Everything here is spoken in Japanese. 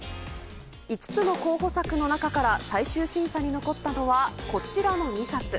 ５つの候補作の中から最終審査に残ったのはこちらの２冊。